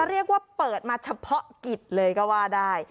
เรียกว่าเปิดมาเฉพาะกิจเลยก็ว่าได้